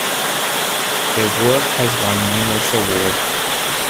Their work has won numerous awards.